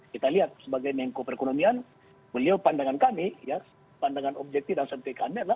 kita lihat sebagai mengko perekonomian beliau pandangan kami pandangan objektif dan sentrikan